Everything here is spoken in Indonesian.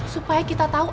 supaya kita tau